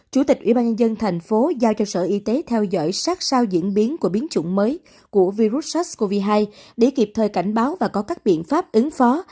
chủ tịch ủy ban nhân dân thành phố giao cho sở y tế theo dõi sát sao diễn biến của biến chủng mới của virus sars cov hai để kịp thời cảnh báo và có các biện pháp ứng phó